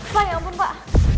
pak ya ampun pak